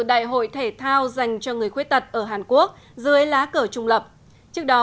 đại hội thể thao dành cho người khuyết tật ở hàn quốc dưới lá cờ trung lập trước đó